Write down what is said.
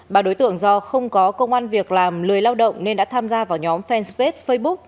ba đối tượng do không có công an việc làm lười lao động nên đã tham gia vào nhóm fanpage facebook